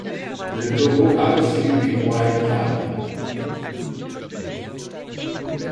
Le Togo a reçu une wild-card.